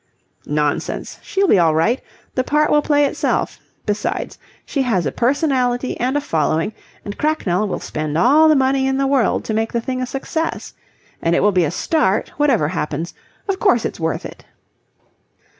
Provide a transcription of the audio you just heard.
"Nonsense. She'll be all right. The part will play itself. Besides, she has a personality and a following, and Cracknell will spend all the money in the world to make the thing a success. And it will be a start, whatever happens. Of course, it's worth it."